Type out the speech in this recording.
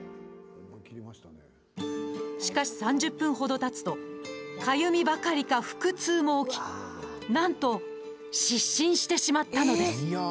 しかし、３０分ほどたつとかゆみばかりか腹痛も起きなんと失神してしまったのです。